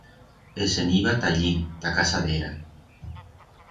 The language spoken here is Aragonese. E se'n iba ta allí, ta casa d'era.